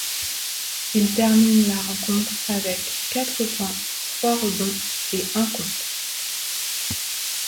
Il termine la rencontre avec quatre points, trois rebonds, et un contre.